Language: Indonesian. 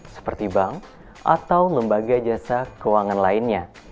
seperti bank atau lembaga jasa keuangan lainnya